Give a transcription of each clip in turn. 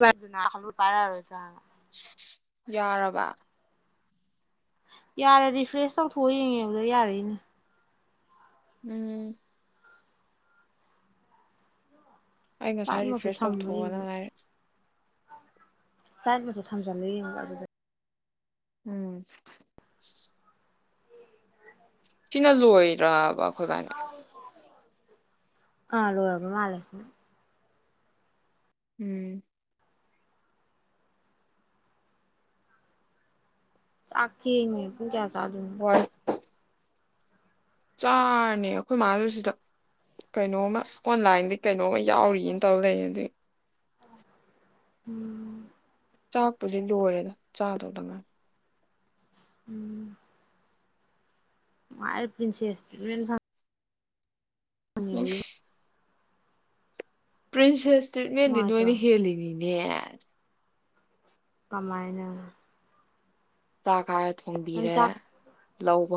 [unintelligible] ꯄꯥꯏꯔꯔꯣꯏꯗꯔꯥ ꯍꯥꯏꯕ ꯌꯥꯔꯕ ꯌꯥꯔꯦ ꯔꯤꯐ꯭ꯔꯦꯁ ꯇꯧꯊꯣꯛꯑ ꯌꯦꯡꯉꯦꯕꯗ ꯌꯥꯔꯛ ꯏꯅꯦ ꯎꯝ ꯑꯩ ꯉꯁꯥꯏ ꯐ꯭ꯂꯥꯏꯠ ꯃꯣꯠꯁꯨ ꯔꯤꯐ꯭ꯔꯦꯁ ꯊꯝꯕ꯭ꯔꯥ ꯌꯦꯡꯕ ꯇꯧꯊꯣꯛꯑꯣꯅ ꯍꯥꯏꯔꯦ ꯐꯂꯥꯏꯠ ꯃꯣꯠ ꯁꯨ ꯊꯝꯖꯜꯂ ꯌꯦꯡꯉꯣꯕ ꯑꯗꯨꯗ ꯎꯝ ꯁꯤꯅꯥ ꯂꯣꯏ ꯔꯕꯈꯣꯏꯕꯥꯅꯤ ꯑꯥ ꯂꯣꯏꯔꯕ ꯃꯥꯜꯂꯦ ꯎꯝ ꯆꯥꯛꯊꯦꯡꯉꯦ ꯄꯨꯡ ꯀꯌꯥ ꯆꯥ ꯗꯨꯨꯅꯣ ꯆꯥꯔꯅꯦ ꯈꯣꯏ ꯃꯥꯗꯨ ꯁꯤꯗ ꯀꯩꯅꯣꯝꯃ ꯑꯣꯟꯂꯥꯏꯟꯗꯤ ꯀꯩꯅꯣꯝꯃ ꯌꯥꯎꯔꯤꯅ ꯇꯧ ꯂꯩ ꯑꯗꯨꯏ ꯎꯝ ꯆꯥꯛꯄꯨꯗꯤ ꯂꯣꯏꯔꯦꯗ ꯆꯥꯗꯧꯗ ꯉꯥꯏ ꯎꯝ [unintelligible] ꯄꯔ꯭ꯤꯟꯁꯦꯁ ꯇꯔ꯭ꯤꯠꯃꯦꯟ ꯐꯪ ꯏꯁ ꯄ꯭ꯔꯤꯟꯁꯦꯁ ꯇꯠꯃꯦꯟꯗ ꯅꯨꯡꯉꯥꯏꯇ꯭ꯔꯣ ꯅꯅꯤꯦꯤꯅꯤ ꯌꯥ ꯀꯃꯥꯏꯅ ꯆ ꯈ ꯅꯟꯆꯥꯛ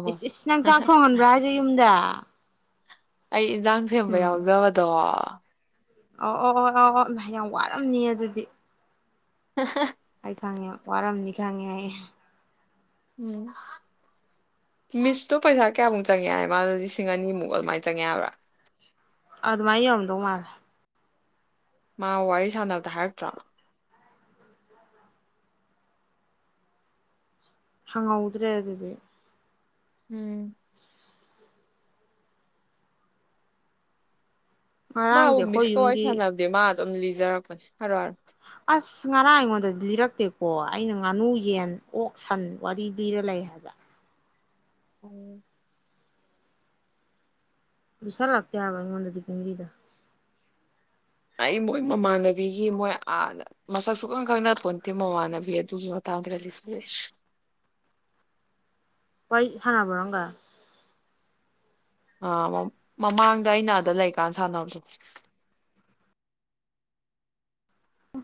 ꯏꯁ ꯅꯟꯆꯥꯛ ꯊꯣꯡꯍꯟꯕ꯭ꯔꯥ ꯍꯥꯏꯁꯦ ꯌꯨꯝꯗ ꯑꯩ ꯏꯗꯥꯡ ꯁꯦꯝꯕ ꯎꯝ ꯌꯥꯎꯖꯕꯗꯣ ꯑ ꯑꯣ ꯑꯣ ꯑꯣ ꯑꯣ ꯅ ꯌꯥꯝ ꯋꯥꯔꯝꯅꯤ ꯑꯗꯨꯗꯤ [unintelligible] ꯑꯩ ꯈꯪꯉꯦ ꯋꯥꯔꯝꯅꯤ ꯈꯪꯉꯦ ꯑꯩ ꯎꯝ ꯃꯤꯁꯇꯣ ꯄꯩꯁꯥ ꯀꯌꯥꯃꯨꯛ ꯆꯪꯉꯦ ꯍꯥꯏꯅ ꯃꯥꯅ ꯂꯤꯁꯤꯡ ꯑꯅꯤꯃꯨꯛ ꯑꯗꯨꯃꯥꯏꯅ ꯆꯪꯉꯦ ꯌꯥꯕ꯭ꯔꯥ ꯑꯗꯨ ꯃꯥ ꯌꯧꯟꯗꯣꯡ ꯃꯥꯒ ꯃꯥ ꯋꯥꯔꯤ ꯁꯥꯟꯅꯕꯗ ꯍꯥꯏꯔꯛꯇ꯭ꯔꯥ ꯍꯪꯧꯗ꯭ꯔꯦ ꯑꯗꯨꯗꯗꯤ ꯎꯝ ꯃꯥ ꯉꯔꯥꯡꯗꯤ ꯑꯩꯈꯣꯏ ꯃꯤꯁꯀꯧꯋꯥꯏ ꯌꯨꯝꯒꯤ ꯁꯅꯗꯤ ꯃꯥ ꯑꯗꯨꯝ ꯂꯤꯖꯔꯛꯄꯅꯦ ꯍꯥꯏꯔꯔ ꯑꯁ ꯉꯔꯥꯡ ꯑꯩꯉꯣꯟꯗꯗꯤ ꯂꯤꯔꯛꯇꯦꯀꯣ ꯑꯩꯅ ꯉꯥꯅꯨ ꯌꯦꯟ ꯑꯣꯛ ꯁꯟ ꯋꯥꯔꯤ ꯂꯤꯔ ꯂꯩ ꯍꯥꯏꯕ ꯎꯝ ꯄꯩꯁꯥ ꯂꯥꯛꯇꯦ ꯍꯥꯏꯕ ꯑꯩꯉꯣꯟꯗꯗꯤ ꯄꯨꯡꯕꯤꯗ ꯑꯩ ꯃꯣꯏ ꯃꯃꯥꯟꯅꯕꯤꯒꯤ ꯃꯣꯏ ꯃꯁꯛ ꯁꯨꯈꯪ ꯈꯪꯅ ꯈꯣꯟꯇꯦ ꯃꯃꯥꯟꯅꯕꯤ ꯑꯗꯨꯒꯤ ꯃꯇꯥꯡꯗ ꯀꯜꯂꯤꯁꯤꯨꯔꯦ ꯄꯏ ꯍꯅ ꯐꯔꯣꯡꯒꯥ ꯑꯥ ꯃꯃꯥꯡꯗ ꯑꯩꯅ ꯑꯗ ꯂꯩꯀꯥꯟ ꯁꯥꯟꯅꯕꯁꯨꯣ ꯎꯝ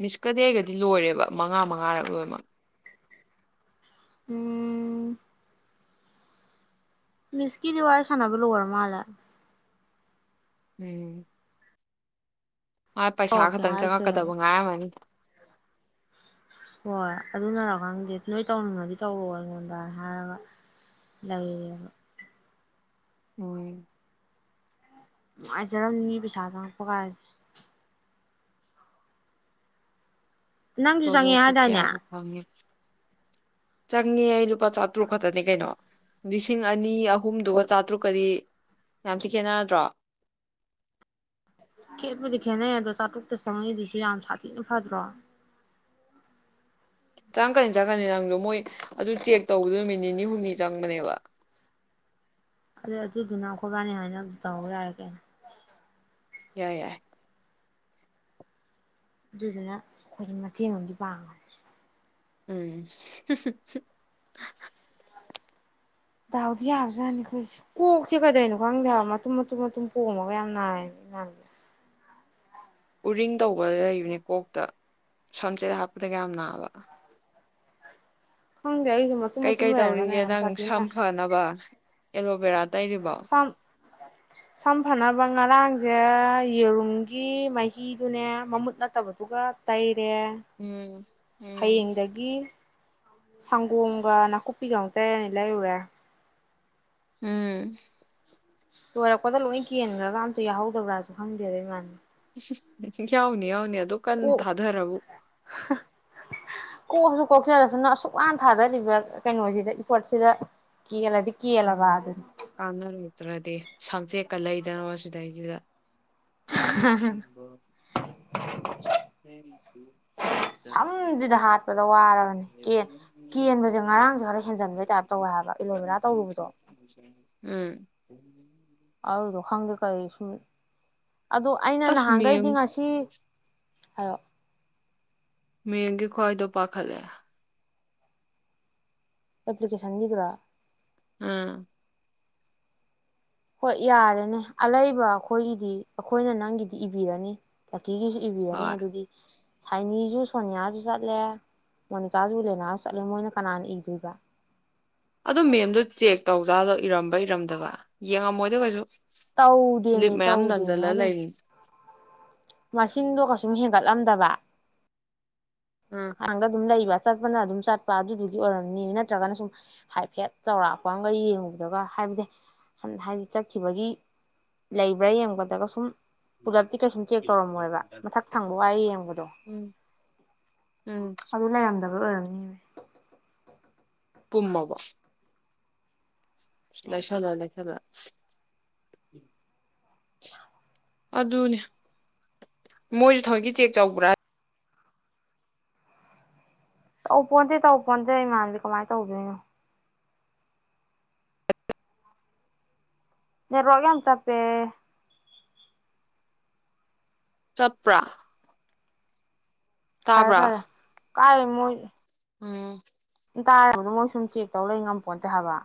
ꯃꯤꯁꯀꯗꯦꯒꯗꯤ ꯂꯣꯏꯔꯦꯕ ꯃꯉꯥ ꯃꯉꯥꯔ ꯂꯣꯏꯅꯃꯛ ꯎꯝ ꯃꯤꯁꯀꯤꯗꯤ ꯋꯥ ꯁꯅꯕꯨ ꯂ ꯋꯥꯔ ꯃꯥꯜꯦ ꯎꯝ ꯃꯥ ꯄꯩꯁꯥ ꯇꯧꯔꯛꯀꯦ ꯈꯛꯇꯪ ꯆꯪꯉꯛꯀꯗꯕ ꯍꯥꯏꯗ꯭ꯔꯦꯕ ꯉꯥꯏꯔꯝꯃꯅꯤ ꯍꯣꯏ ꯑꯗꯨꯅꯔꯣ ꯈꯪꯗꯦ ꯅꯣꯏ ꯇꯧꯅꯤꯡꯝꯃꯗꯤ ꯇꯧꯔꯑꯣ ꯑꯩꯉꯣꯟꯗꯅ ꯍꯥꯏꯔꯒ ꯂꯩꯌꯦꯦꯕ ꯎꯝ ꯉꯖꯔꯝꯅꯤ ꯄꯩꯁꯥ ꯆꯪꯉꯛꯄ ꯀꯁꯤꯦ ꯇ ꯅꯪꯁꯨ ꯆꯪꯉꯦ ꯂꯣꯕꯨ ꯍꯥꯏꯗꯥꯏꯅꯦ ꯀꯌꯥꯕꯨ ꯈꯪꯉꯦ ꯆꯪꯉꯦ ꯑꯩ ꯂꯨꯄꯥ ꯆꯥꯇ꯭ꯔꯨꯛ ꯈꯛꯇꯅꯤ ꯀꯩꯅꯣ ꯂꯤꯁꯤꯡ ꯑꯅꯤ ꯑꯍꯨꯝꯗꯨꯒ ꯆꯥꯇ꯭ꯔꯨꯛꯀꯗꯤ ꯌꯥꯝꯁꯨꯤ ꯈꯦꯅꯔꯗ꯭ꯔꯣ ꯈꯦꯠꯄꯗꯤ ꯈꯦꯠꯅꯩ ꯑꯗꯣ ꯆꯥꯇ꯭ꯔꯨꯛꯇ ꯆꯪꯉꯛꯏꯗꯨꯁꯨ ꯌꯥꯝ ꯁꯥꯊꯤꯅ ꯐꯗ꯭ꯔꯣ ꯆꯪꯀꯅꯤ ꯆꯪꯀꯅꯤ ꯅꯪꯗꯣ ꯃꯣꯏ ꯑꯗꯨ ꯆꯦꯛ ꯇꯧꯕꯗꯨ ꯅꯨꯃꯤꯠ ꯅꯤ ꯅꯤ ꯍꯨꯝꯅꯤ ꯆꯪꯕꯅꯦꯕ ꯑꯗꯨꯗ ꯑꯗꯨꯗꯨꯅ ꯑꯩꯈꯣꯏꯕꯥꯅꯤ ꯍꯥꯏꯅ ꯑꯗꯨꯝ ꯇꯧꯍꯧꯕ ꯌꯥꯔꯒꯦ ꯌꯥꯏ ꯌꯥꯏ ꯑꯗꯨꯗꯨꯅ ꯑꯩꯈꯣꯏꯒꯤ ꯃꯇꯦꯡ ꯑꯃꯗꯤ ꯄꯥꯡꯕꯅꯤ ꯎꯝ ꯁꯤꯠꯇ ꯁ ꯗꯥꯎꯗꯤ ꯌꯥꯕꯖꯥꯠꯅꯤ ꯑꯩꯈꯣꯏꯁꯦ ꯀꯣꯛꯁꯦ ꯀꯩꯗꯣꯏꯅꯣ ꯈꯪꯗꯦ ꯍꯥꯏꯕ ꯃꯇꯨꯝ ꯃꯇꯨꯝ ꯃꯇꯨꯝ ꯄꯣꯝꯃꯒ ꯌꯥꯝ ꯅꯥꯏꯔꯦꯅꯦ ꯏꯥꯟꯁ ꯎꯔꯤꯡ ꯇꯧꯕ ꯂꯩꯕꯅꯦ ꯀꯣꯛꯇ ꯁꯝꯁꯦꯠ ꯍꯥꯞꯄꯗ ꯀ ꯌꯥꯝ ꯅꯥꯕ ꯎ ꯀꯩ ꯀꯩ ꯇꯧꯔꯤꯒꯦ ꯅꯪ ꯁꯝ ꯐꯅꯕ ꯑꯦꯂꯣꯕꯦꯔꯥ ꯇꯩꯔꯤꯕꯣ ꯁꯝ ꯁꯝ ꯐꯅꯕ- ꯕ ꯉꯔꯥꯡꯖꯦ ꯌꯦꯔꯨꯝꯒꯤ ꯃꯍꯤꯗꯨꯅꯦ ꯃꯃꯨꯠ ꯅꯠꯇꯕꯗꯨꯒ ꯇꯩ- ꯔꯦ ꯎꯝ ꯎꯝ ꯍꯌꯦꯡꯗꯒꯤ ꯁꯪꯒꯣꯝꯒ ꯅꯥꯀꯨꯞꯄꯤꯒ ꯑꯃꯨꯛ ꯇꯩꯔꯅꯤ ꯂꯩꯔꯨꯔꯦ ꯎꯝ ꯂꯣꯏꯔꯛꯄꯗ ꯂꯣꯏ ꯀꯦꯟꯈ꯭ꯔꯒ ꯑꯝꯇ ꯌꯥꯍꯧꯗꯕ꯭ꯔꯥꯖꯨ ꯈꯪꯗꯦꯗ ꯏꯃꯥꯟꯅꯕꯤ ꯎ ꯍꯨꯡ ꯌꯥꯎꯅꯤ ꯌꯥꯎꯅꯤ ꯑꯗꯨꯛ ꯀꯟ ꯀꯣꯛ ꯊꯥꯗꯔꯕꯨ ꯀꯣꯛꯑꯁꯨ ꯀꯣꯛꯆꯔꯁꯅꯨ ꯑꯁꯨꯛ ꯋꯥꯅ ꯊꯥꯗꯔꯤꯕ ꯀꯩꯅꯣꯖꯤꯗ ꯏꯐꯣꯔꯠꯁꯤꯗ ꯀꯦꯂꯗꯤ ꯎꯝ ꯀꯥꯟꯅꯔꯣꯏꯗ꯭ꯔꯗꯤ ꯁꯕꯖꯦꯛ ꯀ ꯂꯩꯗꯅ ꯃꯁꯤꯗꯩꯖꯤꯗ ꯂꯧꯁꯤꯟꯕ ꯁꯝꯁꯤꯗ ꯍꯥꯠꯄꯗ ꯋꯥꯔꯕꯅꯤ ꯀꯦꯟ ꯀꯦꯟꯕꯁꯦ ꯉꯔꯥꯡꯁꯦ ꯈꯔ ꯍꯦꯟꯖꯟꯕꯩ ꯇꯥꯏꯞ ꯇꯧꯋꯦ ꯍꯥꯏꯕ ꯑꯦꯂꯣꯕꯦꯔꯥ ꯉꯝꯗꯕ ꯇꯧꯔꯨꯕꯗꯣ ꯂꯧꯁꯤꯟꯕ ꯉꯝꯗꯕ ꯎꯝ ꯑꯗꯨꯗꯣ ꯈꯪꯗꯦ ꯀꯔꯤꯁꯨ ꯑꯗꯣ ꯑꯩꯅ ꯑꯁ ꯃꯦꯝ ꯅꯍꯥꯟꯒꯩꯗꯤ ꯉꯁꯤ ꯍꯥꯏꯔꯛꯑꯣ ꯃꯦꯡꯒꯤ ꯈꯨꯍꯥꯏꯗꯣ ꯄꯥꯈꯠꯂꯦ ꯑꯦꯄ꯭ꯂꯤꯀꯦꯁꯟꯒꯤꯗꯨꯔꯥ ꯎꯝ ꯍꯣꯏ ꯌꯥꯔꯦꯅꯦ ꯑꯂꯩꯕ ꯑꯩꯈꯣꯏꯒꯤꯗꯤ ꯑꯩꯈꯣꯏꯅ ꯅꯪꯒꯤꯗꯤ ꯏꯕꯤꯔꯅꯤ- ꯇꯤꯒꯤꯁꯨ ꯏꯕꯤꯔꯅꯤ ꯍꯣꯏ ꯑꯗꯨꯗꯤ ꯁꯥꯏꯅꯤꯖꯨ ꯁꯣꯅꯤꯌꯥꯖꯨ ꯆꯠꯂꯦ ꯃꯣꯅꯤꯀꯥꯖꯨ ꯂꯦꯅꯥꯖꯨ ꯆꯠꯂꯦ ꯃꯣꯏꯅ ꯀꯅꯥꯅ ꯏꯗꯣꯏꯕ ꯑꯗꯨ ꯃꯦꯝꯗꯣ ꯆꯦꯛ ꯇꯧꯖꯥꯠꯂꯣ ꯏꯔꯝꯕ ꯏꯔꯝꯗꯕ ꯌꯦꯡꯉꯝꯃꯣꯏꯗ ꯀꯩꯁꯨ ꯂꯤꯞ ꯇꯧꯗꯦꯃꯤ ꯃꯌꯥꯝ ꯇꯧꯗꯦꯃꯤ ꯅꯟꯖꯜꯂ ꯍꯥꯏꯗꯤ ꯂꯩꯔꯤꯁꯦ ꯇꯥꯕ ꯉꯝꯗꯕ ꯃꯁꯤꯡꯗꯣ ꯀꯩꯁꯨꯝ ꯍꯦꯟꯒꯠꯂꯝꯗꯕ ꯎꯝ ꯍꯥꯡꯗ ꯑꯗꯨꯝ ꯂꯩꯕ ꯆꯠꯄꯅ ꯑꯗꯨꯝ ꯆꯠꯄ ꯑꯗꯨꯗꯨꯒꯤ ꯑꯣꯏꯔꯝꯅꯤꯃꯤ ꯅꯠꯇ꯭ꯔꯒꯅ ꯁꯨꯝ ꯍꯥꯏꯐꯦꯠ ꯆꯥꯎꯔꯥꯛꯄ ꯑꯃꯒ ꯌꯦꯡꯉꯨꯕꯗꯒ ꯍꯥꯏꯕꯗꯤ ꯍꯟ ꯍꯥꯏꯗꯤ ꯆꯠꯈꯤꯕꯒꯤ ꯂꯩꯕ꯭ꯔꯥ ꯌꯦꯡꯕꯗꯒ ꯁꯨꯝ ꯄꯨꯂꯞꯇꯤ ꯀꯩꯁꯨꯝ ꯆꯦꯛ ꯇꯧꯔꯝꯃꯣꯏꯕ ꯃꯊꯛ ꯊꯪꯕ ꯋꯥꯏ ꯌꯦꯡꯕꯗꯣ ꯎꯝ ꯎꯝ ꯑꯗꯨ ꯂꯩꯔꯝꯗꯕꯩ ꯑꯣꯏꯔꯝꯅꯤ- ꯅꯤꯃꯦ ꯄꯨꯝꯃꯕꯣ ꯂꯩꯁꯜꯂ ꯂꯩꯁꯜꯂ ꯑꯗꯨꯅꯦ ꯃꯣꯏꯁꯨ ꯊꯑꯣꯏꯀꯤ ꯆꯦꯛ ꯆꯧꯕ꯭ꯔꯥ ꯇꯧ ꯄꯣꯟꯇꯦ ꯇꯧ ꯄꯣꯟꯇꯦ ꯏꯃꯥꯟꯅꯕꯤ ꯀꯃꯥꯏꯅ ꯇꯧꯗꯣꯏꯅꯣ ꯅꯔꯣꯒ ꯇꯄꯦ ꯆꯄ꯭ꯔꯥ ꯐꯔꯦ ꯐꯔꯦ ꯀꯥꯏ ꯃꯣꯏ ꯎꯝ ꯇꯥꯔꯕꯗ ꯃꯣꯏ ꯁꯨꯝ ꯆꯦꯛ ꯇꯧ ꯂꯩ ꯉꯝꯄꯣꯠꯇꯦ ꯍꯥꯏꯕ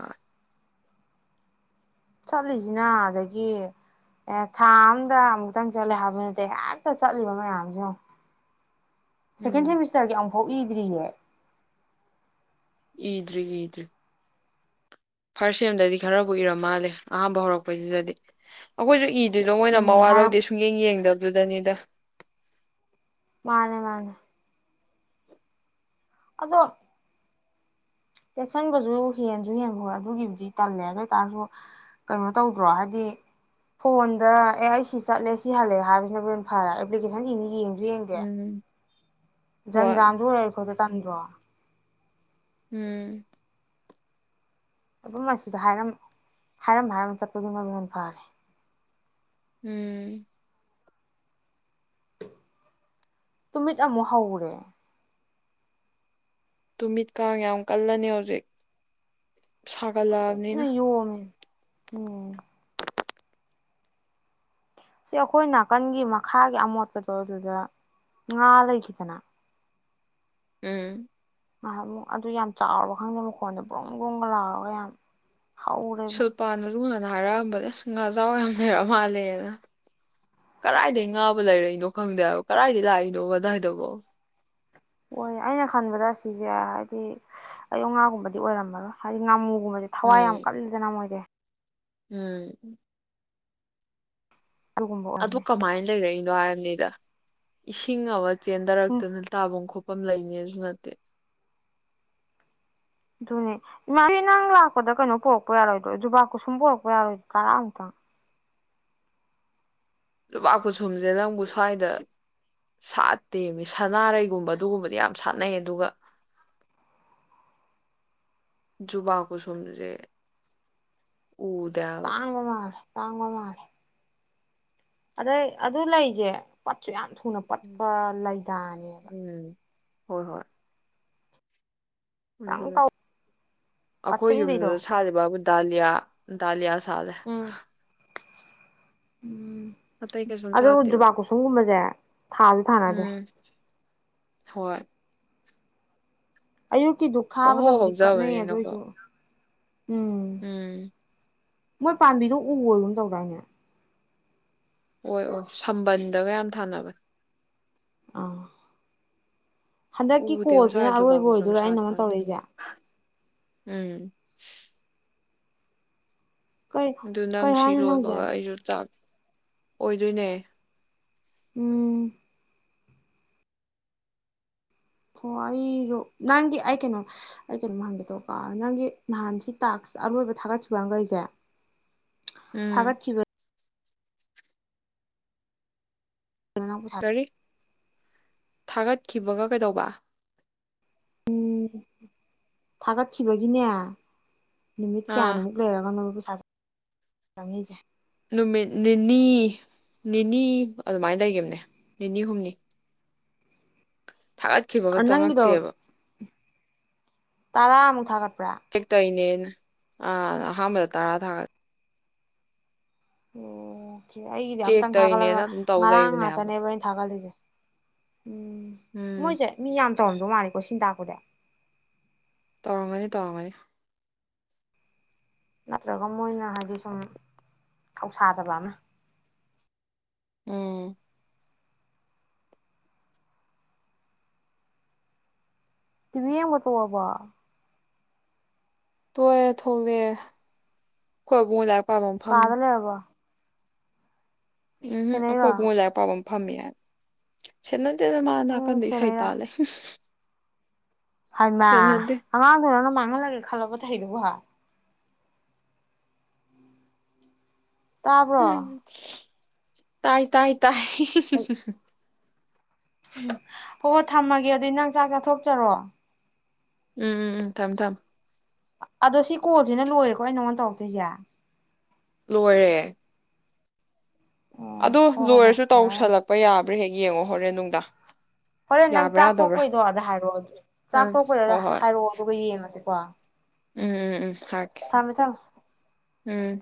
ꯑꯥ ꯆꯠꯂꯤꯁꯤꯅ ꯑꯗꯒꯤ ꯑꯦ ꯊꯥ ꯑꯝꯗ ꯑꯃꯨꯛꯇꯪ ꯆꯠꯂꯦ ꯍꯥꯏꯕ ꯅꯠꯇꯦ ꯍꯦꯛꯇ ꯆꯠꯂꯤꯕ ꯃꯌꯥꯝꯁꯤꯅ ꯁꯀꯦꯟ ꯎꯝ ꯁ ꯃꯤꯁꯔ ꯊꯣꯛꯏꯗ꯭ꯔꯤꯉ ꯏꯗ꯭ꯔꯤ ꯏꯗ꯭ꯔꯤ ꯐꯥꯔꯁ ꯁꯦꯝꯗꯗꯤ ꯈꯔꯕꯨ ꯏꯔꯝ ꯃꯥꯜꯂꯦ ꯑꯍꯥꯟꯕ ꯍꯧꯔꯛꯄꯩꯁꯤꯗꯗꯤ ꯑꯩꯈꯣꯏꯁꯨ ꯏ ꯑꯗꯨꯗꯤꯗꯣ ꯃꯣꯏꯅ ꯃꯋꯥ ꯍꯥꯏꯔꯛ ꯂꯧꯗꯦ ꯁꯨꯡ ꯌꯦꯡ ꯌꯦꯡꯗ ꯑꯗꯨ ꯑꯗꯨꯗꯅꯤꯗ ꯃꯥꯅꯦ ꯃꯥꯅꯦ ꯑꯗꯣ ꯆꯦꯛꯁꯤꯟꯕꯁꯨ ꯍꯦꯟꯁꯨ ꯍꯦꯟ ꯍ ꯑꯗꯨꯒꯤꯕꯨꯗꯤ ꯇꯜꯂꯦ ꯑꯗꯨ ꯑꯣꯏꯇꯥꯥꯔꯁꯨ ꯀꯩꯅꯣ ꯇꯧꯗ꯭ꯔꯣ ꯍꯥꯏꯕꯗꯤ ꯐꯣꯟꯗ ꯑꯦ ꯑꯩ ꯁꯤ ꯆꯠꯂꯦ ꯁꯤ ꯍꯜꯂꯦ ꯍꯥꯏꯕꯁꯤꯅ ꯍꯅ ꯐꯔꯦ ꯑꯦꯄ꯭ꯂꯤꯀꯦꯁꯟꯗꯤꯅꯤ ꯌꯦꯡ ꯌꯦꯡꯗꯦ ꯎꯝ ꯍꯣꯏ ꯖꯟꯖꯥꯟꯗꯨꯔꯛꯦ ꯈꯣ ꯇꯟ꯭ꯔꯣ ꯎꯝ ꯃꯐꯝ ꯑꯁꯤꯗ ꯍꯥꯏꯔ ꯍꯥꯏꯔꯝ ꯍꯥꯏꯔꯝ ꯆꯠꯄꯗꯨ ꯃꯗꯨ ꯐꯔꯦ ꯎꯝ ꯇꯨꯃꯤꯠ ꯑ ꯃꯍꯍꯥꯎꯦ ꯇꯨꯃꯤꯠꯀ ꯌꯥꯝ ꯀꯜꯂꯅꯤ ꯍꯧꯖꯤꯛ ꯌ ꯁꯥꯒꯠꯂꯛꯑꯕꯅꯤꯅ ꯎꯝ ꯁꯤ ꯑꯩꯈꯣꯏ ꯅꯥꯀꯟꯒꯤ ꯃꯈꯥꯒꯤ ꯑꯃꯣꯠꯄꯗꯣ ꯑꯗꯨꯗ ꯉꯥ ꯂꯩꯈꯤꯗꯅ ꯎꯝ ꯑꯃꯨꯛ ꯑꯗꯨ ꯌꯥꯝ ꯆꯥꯎꯔꯕ ꯈꯪꯗꯦ ꯃꯈꯣꯟꯗ ꯕ꯭ꯔꯨꯝ ꯒ꯭ꯔꯨꯝꯒ ꯂꯥꯎꯔꯒ ꯌꯥꯝ ꯍꯧꯔꯦꯕ ꯁꯨꯜꯄꯥꯟꯔꯨꯅ ꯑꯗꯨꯅ ꯍꯥꯏꯔꯛꯑꯝꯕꯅꯦ ꯑꯁ ꯉꯥ ꯆꯥꯎꯕ ꯌꯥꯝ ꯂꯩꯔ ꯃꯥꯜꯂꯦꯅ ꯀꯗꯥꯥꯏꯗꯒꯤꯩ ꯉꯥꯕꯨ ꯂꯩꯔꯛꯏꯅꯣ ꯈꯪꯗꯦꯕ ꯀꯗꯥꯏꯗꯒꯤꯩ ꯂꯥꯛꯏꯅꯣ ꯀꯗꯥꯏꯗꯐꯣ ꯍꯣꯏ ꯑꯩꯅ ꯈꯟꯕꯗ ꯁꯤꯁꯦ ꯍꯥꯏꯗꯤ ꯑꯌꯨ ꯉꯥꯒꯨꯝꯕꯗꯤ ꯑꯣꯏꯔꯝꯃꯔꯣꯏ ꯍꯥꯏꯗꯤ ꯉꯥꯃꯨ ꯑꯗꯨꯒꯒꯨꯝꯕꯁꯦ ꯊꯋꯥꯏ ꯌꯥꯝ ꯎꯝ ꯀꯂꯗꯅ ꯃꯣꯏꯗꯤꯦ ꯎꯝ ꯑꯗꯨꯒꯨꯝꯕ ꯑꯗꯕꯨ ꯑꯣꯏꯔꯝꯅꯤ ꯀꯃꯥꯏ ꯂꯩ ꯂꯔꯅꯤꯗ ꯏꯁꯤꯡ ꯑꯋꯥ ꯎꯝ ꯆꯦꯟꯗꯔꯛꯇꯅ ꯇꯥꯐꯝ ꯈꯣꯠꯄ ꯃꯐꯝ ꯂꯩꯅꯤꯁꯨ ꯅꯠꯇꯦ ꯑꯗꯨꯅꯦ ꯏꯃꯥ ꯅꯪ ꯂꯥꯛꯄꯗ ꯀꯩꯅꯣ ꯄꯣꯔꯛꯄ ꯌꯥꯔꯣꯏꯗ꯭ꯔꯣ ꯖꯨꯕꯥꯀꯨꯁꯨꯝ ꯄꯣꯔꯛꯄ ꯌꯥꯔꯣꯏꯗ꯭ꯔꯣ ꯇꯔꯥꯃꯨꯛꯇꯪ ꯖꯨꯕꯥꯥꯛ ꯈꯨꯨꯁꯨꯝꯁꯦ ꯅꯪꯕꯨ ꯁ꯭ꯋꯥꯏꯗ ꯁꯥꯠꯇꯦ ꯁꯅꯥꯔꯩꯒꯨꯝꯕ ꯑꯗꯨꯒꯨꯝꯕꯗꯤ ꯌꯥꯝ ꯁꯥꯠꯅꯩ ꯑꯗꯨꯒ ꯖꯨꯕꯥꯥꯛ ꯈꯨꯁꯨꯝꯁꯦ ꯇꯥꯡꯉ ꯃꯥꯔ ꯇꯥꯡꯕ ꯃꯥꯜꯂꯦ ꯑꯗꯩ ꯑꯗꯨ ꯂꯩꯁꯦ ꯄꯠꯁꯨ ꯌꯥꯝ ꯊꯨꯅ ꯄꯠꯄ ꯂꯥꯏꯗꯥꯅꯦꯕ ꯎꯝ ꯍꯣꯏ ꯍꯣꯏ ꯈꯤꯇꯪ ꯑꯗꯨ ꯇꯧ ꯑꯩꯈꯣꯏ ꯄꯠꯁꯤꯟꯕꯤꯗꯣ ꯌꯨꯝꯗꯨꯗ ꯁꯥꯔꯤꯕꯕꯨꯗꯤ ꯗꯗꯥꯂꯤꯌꯥ ꯗꯗꯥꯂꯤꯌꯥ ꯁꯗꯦ ꯎꯝ ꯎꯝ ꯑꯇꯩ ꯀꯩꯁꯨꯝ ꯑꯗꯨꯣ ꯁꯥꯠꯇꯦꯕ ꯖꯨꯕꯥ ꯀꯨꯁꯨꯝꯒꯨꯝꯕꯁꯦ ꯊꯥꯗꯤ ꯊꯥꯅꯗꯦ ꯎꯝ ꯍꯣꯏ ꯑꯌꯨꯛꯀꯤꯗꯨ ꯄꯪꯍꯧ ꯈꯥꯕꯗꯕꯨꯗꯤ ꯀꯠꯅꯩꯌꯦ ꯍꯧꯖꯕꯅꯤꯅꯀꯣ ꯑꯗꯨꯏꯁꯨ ꯎꯝ ꯃꯣꯏ ꯄꯥꯝꯕꯤꯗꯣ ꯎꯒꯅ ꯇꯧꯔꯛꯅꯦ ꯍ ꯑꯣ ꯁꯝꯕꯟꯗꯒꯌꯥꯝ ꯊꯥꯅꯕꯅꯤ ꯑ ꯍꯟꯗꯛꯀꯤ ꯎꯗꯦꯕ ꯁ꯭ꯋꯥꯏ ꯀꯣꯜꯁꯤꯅ ꯖꯨꯕꯥ ꯑꯔꯣꯏꯕ ꯀꯨꯁꯨꯝ ꯑꯣꯏꯗꯣꯏꯔꯥ ꯑꯩꯅ ꯁꯥꯠꯄ ꯑꯃꯃ ꯑꯗꯨ ꯇꯧꯔꯛꯏꯁꯦ ꯎꯝ ꯀꯩ ꯑꯗꯨ ꯅꯪ ꯀꯩ ꯁꯤ ꯍꯥꯏꯅꯣ ꯍꯧꯖꯤꯛ ꯂꯣꯏꯕꯒ ꯍꯥꯏꯗꯣ ꯑꯩꯁꯨ ꯆꯥꯛ ꯑꯣꯏꯗꯣꯏꯅꯦ ꯎꯝ ꯍ ꯑꯩꯁꯨ ꯅꯪꯒꯤ ꯑꯩ ꯀꯩꯅꯣ ꯑꯩ ꯀꯩꯅꯣꯝ ꯍꯪꯒꯦ ꯇꯧꯀꯣ ꯅꯪꯒꯤ ꯅꯍꯥꯟ ꯁꯤ ꯇꯥꯛꯁ ꯑꯔꯣꯏꯕ ꯊꯥꯒꯠꯈꯤꯕꯈꯩꯁꯦ ꯊꯥꯒꯠ ꯎꯝ ꯊꯈꯤꯕ ꯈꯅꯕꯨ ꯁꯥ ꯀꯔꯤ ꯊꯥꯒꯠꯈꯤꯕꯒ ꯀꯩꯗꯧꯕ ꯎꯝ ꯊꯥꯒꯠꯈꯤꯕꯒꯤꯅꯦ ꯅꯨꯃꯤꯠ ꯑꯥ ꯀꯌꯥꯅꯤꯃꯨꯛ ꯂꯩꯔꯒꯅ ꯖꯦ ꯅꯨꯃꯤꯠ ꯅꯤꯅꯤ ꯅꯤꯅꯤ ꯑꯗꯨꯃꯥꯏꯅ ꯂꯩꯈꯤꯕꯈꯤꯕꯅꯦ ꯅꯤꯅꯤ ꯍꯨꯝꯅꯤ ꯊꯥꯒꯠꯈꯤꯕꯒ ꯆꯪꯉꯛꯇꯦꯕ ꯇꯔꯥ ꯃꯨ ꯊ ꯀꯠ ꯆ ꯇ ꯏꯅꯦ ꯑ ꯑꯍꯥꯟꯕꯗ ꯇꯔꯥ ꯊꯥꯒꯠ ꯑꯣ ꯑꯩꯒꯤꯗꯤ ꯆꯦꯛ ꯑꯇꯪ ꯇꯧꯔꯤꯅꯦꯅ ꯊꯥꯒꯠꯂꯒ ꯑꯗꯨꯝ ꯇꯧ ꯉꯔꯥꯡ ꯂꯩꯕꯅꯦꯕ ꯉꯥꯛꯇꯅꯦꯕ ꯑꯩꯅ ꯊꯥꯒꯠꯂꯤꯁꯦ ꯎꯝ ꯎꯝ ꯃꯣꯏꯁꯦ ꯃꯤ ꯌꯥꯝ ꯇꯧꯔꯝꯗꯧ ꯃꯥꯜꯜꯂꯤꯦꯀꯣ ꯁꯤꯟꯗꯥꯛ ꯀꯔ ꯇꯧꯔꯝꯒꯅꯤ ꯇꯧꯔꯝꯒꯅꯤ ꯅꯠꯇ꯭ꯔꯒ ꯃꯣꯏꯅ ꯍꯥꯏꯗꯤ ꯁꯨꯝ ꯊꯧꯁꯥꯗꯕ ꯑꯃ ꯎꯝ ꯇꯕꯤ ꯌꯦꯕꯥ ꯇꯣꯛ ꯑꯕꯣ ꯔꯣꯛ ꯑꯥ ꯊꯣꯛꯒꯦ ꯀꯕꯨꯕꯨ ꯂ ꯀꯗ ꯂꯩꯔꯥꯕꯣ ꯎꯝ ꯑꯩꯈꯣꯏ ꯁꯦꯟꯅꯩꯔꯣ ꯄꯨꯉꯣꯏ ꯂꯥꯏꯛ ꯄꯥꯝ ꯐꯃꯌꯥ ꯁꯦꯟ ꯗ ꯃꯥꯅꯥ ꯅꯪ ꯀꯅꯤ ꯁꯩꯇꯥ ꯂꯩ ꯍꯃ ꯁꯦꯟꯅꯗꯦ ꯑꯥꯡꯗꯤ ꯅꯪ ꯊꯉ ꯂꯒꯦ ꯈꯜꯔꯕ ꯇ ꯍꯗꯕ ꯍꯥ ꯇꯥꯕ꯭ꯔꯣ ꯎꯝ ꯇꯥꯏ ꯇꯥꯏ ꯇꯥꯏ ꯎꯃꯝ ꯎꯝ ꯍꯣ ꯊꯝꯃꯒꯦ ꯑꯗꯨꯏ ꯅꯪ ꯆꯥꯛ ꯆꯥꯊꯣꯛꯆꯔꯣ ꯎꯝ ꯎꯝ ꯎꯝ ꯊꯝ ꯊꯝ ꯑꯗꯣ ꯁꯤ ꯀꯣꯜꯁꯤꯅ ꯂꯣꯏꯔꯦꯀꯣ ꯑꯩ ꯅꯉꯣꯟꯗ ꯇꯧꯔꯛꯇꯣꯏꯁꯦ ꯑꯗꯨ ꯍꯣꯏ ꯍꯣꯏ ꯍꯣꯏ ꯂꯣꯏꯔꯁꯨ ꯌꯥꯔꯦ ꯌꯥꯔꯦ ꯇꯧꯁꯜꯂꯛꯄ ꯌꯥꯕ ꯔꯥ ꯍꯦꯛ ꯌꯦꯡꯉꯣ ꯍꯣꯔꯦ ꯅꯨꯡꯗ ꯍꯣꯔꯦꯟ ꯅꯪ ꯆꯥꯛ ꯇꯣꯛꯄꯩꯗꯣ ꯑꯗ ꯍꯥꯏꯔꯛꯑꯣ ꯆꯥꯛ ꯑꯪ ꯇꯣꯛꯄꯩꯗꯣ ꯍꯣꯏ ꯍꯣꯏ ꯍꯥꯏꯔꯛꯑꯣ ꯑꯗꯨꯒ ꯌꯦꯡꯉꯁꯤꯦ ꯋꯥ ꯎꯝ ꯎꯝ ꯎꯝ ꯍꯥꯏꯀꯦ ꯎꯝ